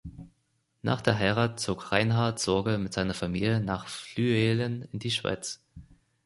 Nach der Heirat zog Reinhard Sorge mit seiner Familie nach Flüelen in die Schweiz.